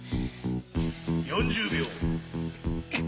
４０秒。